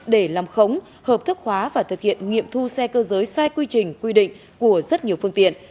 để làm khống hợp thức hóa và thực hiện nghiệm thu xe cơ giới sai quy trình quy định của rất nhiều phương tiện